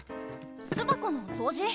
巣箱の掃除！